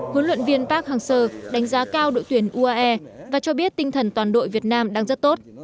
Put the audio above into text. huấn luyện viên park hang seo đánh giá cao đội tuyển uae và cho biết tinh thần toàn đội việt nam đang rất tốt